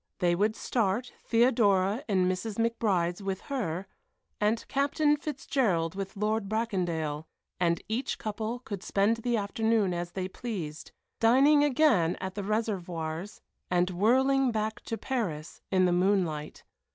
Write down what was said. They would start, Theodora in Mrs. McBride's with her, and Captain Fitzgerald with Lord Bracondale, and each couple could spend the afternoon as they pleased, dining again at the Réservoirs and whirling back to Paris in the moonlight.